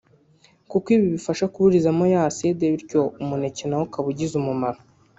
kuko ibi bifasha kuburizamo ya aside bityo uwo muneke na wo ukaba ugize umumaro